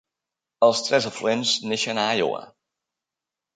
Els tres afluents neixen a Iowa.